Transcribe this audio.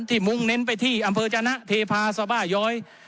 มุ่งเน้นไปที่อำเภอจนะเทพาสบาย้อย